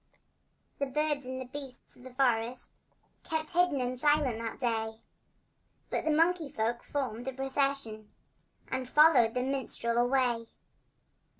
The birds and the beasts of the forest Kept hidden and silent that day, But the monkey folk formed a procession And followed the minstrel away.